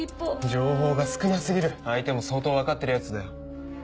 情報が少な過ぎる相手も相当分かってるヤツだよ。